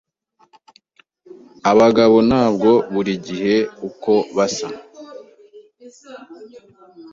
Abagabo ntabwo buri gihe uko basa.